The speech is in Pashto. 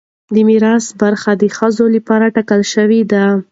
د میراث برخه د ښځې لپاره ټاکل شوې ده.